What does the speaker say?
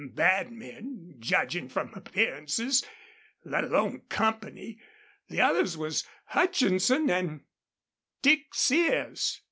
Bad men, judgin' from appearances, let alone company. The others was Hutchinson an' Dick Sears."